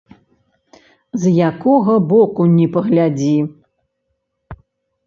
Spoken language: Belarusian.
З якога боку ні паглядзі.